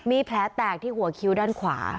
มีแผลแตกที่หัวคิ้วด้านขวา